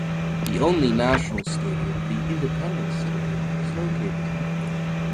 The only national Stadium, The Independence Stadium, is located here.